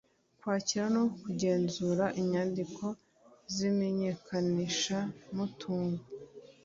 kwakira no kugenzura inyandiko z’imenyekanishamutungo